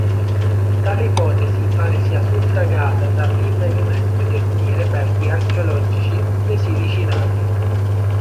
Tale ipotesi pare sia suffragata dal rinvenimento di alcuni reperti archeologici nei siti citati.